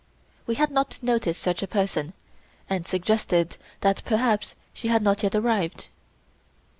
We had not noticed such a person, and suggested that perhaps she had not yet arrived.